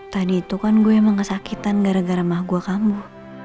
tadi itu kan gue emang kesakitan gara gara maha gue kamu